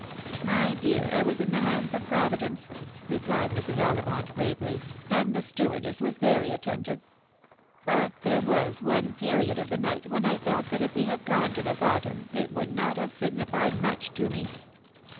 "My dear, I was in the hands of Providence," replied Mrs. Ollivant gravely, " and the stewardess was very attentive. But there was one period of the night when I felt that if we had gone to the bottom it would not have signified much to me."